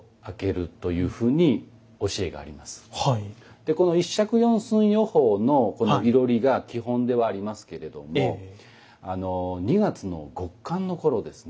でこの一尺四寸四方のこの囲炉裏が基本ではありますけれども２月の極寒の頃ですね。